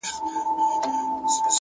هره تجربه د پوهې نوی فصل دی،